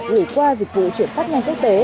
người việt nam gửi qua dịch vụ chuyển phát nhanh